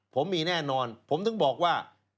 ผมมีแน่นอนผมถึงบอกว่า